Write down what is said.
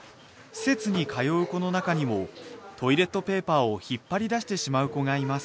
施設に通う子の中にもトイレットペーパーを引っ張り出してしまう子がいます。